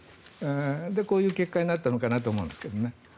で、こういう結果になったのかなと思うんですけどね。